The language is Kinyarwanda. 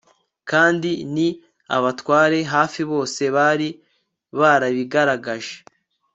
kandi n'abatware hafi bose bari barabigaragaje